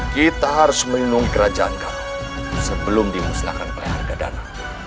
kita harus melindungi kerajaan kamu sebelum dimusnahkan oleh arkadana